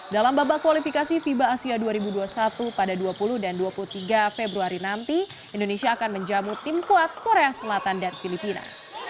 dalam babak kualifikasi fiba asia dua ribu dua puluh satu pada dua puluh dan dua puluh tiga februari nanti indonesia akan menjamu tim kuat korea selatan dan filipina